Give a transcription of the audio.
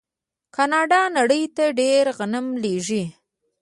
کاناډا نړۍ ته ډیر غنم لیږي.